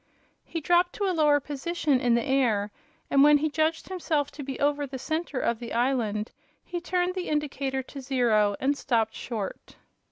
He dropped to a lower position in the air, and when he judged himself to be over the center of the island he turned the indicator to zero and stopped short.